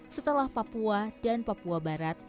setelah papua dan papua barat